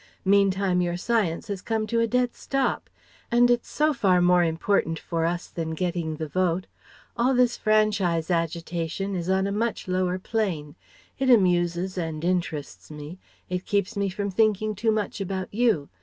Meantime your science has come to a dead stop. And it's so far more important for us than getting the Vote. All this franchise agitation is on a much lower plane. It amuses and interests me. It keeps me from thinking too much about you.